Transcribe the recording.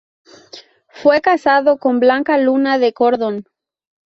Fue casado con Blanca Luna de Cordón.